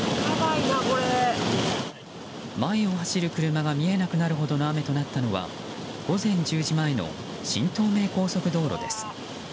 前を走る車が見えなくなるほどの雨となったのは午前１０時前の新東名高速道路です。